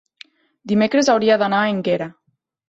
Dimecres hauria d'anar a Énguera.